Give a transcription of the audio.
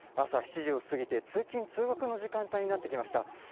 朝７時を過ぎて、通勤・通学の時間帯になってきました。